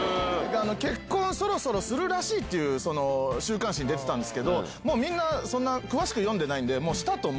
結婚そろそろするらしいって週刊誌に出てたんですけどみんなそんな詳しく読んでないんで。